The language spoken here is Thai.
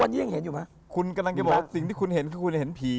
เดี๋ยวนะคุณกำลังจะบอกว่าสิ่งที่คุณเห็นคือคุณเห็นผี